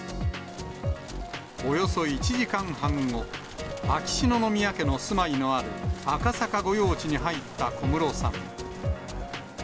およそ１時間半後、秋篠宮家の住まいのある赤坂御用地に入った小室さん。